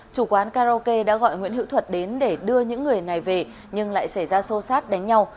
chủ quán karaoke đã gọi nguyễn hữu thuật đến để đưa những người này về nhưng lại xảy ra xô xát đánh nhau